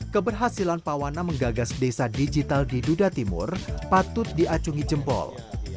keberhasilan pawana menggagas desa digital di duda timur patut diacungi jempol